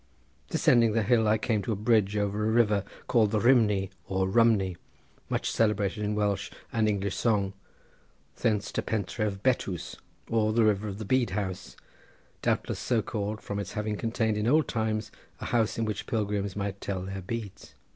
Descending the hill I came to a bridge over a river called the Rhymni or Rumney, much celebrated in Welsh and English song—thence to Pentref Bettws, or the village of the bead house, doubtless so called from its having contained in old times a house in which pilgrims might tell their beads.